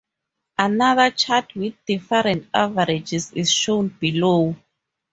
Another chart with different averages is shown below.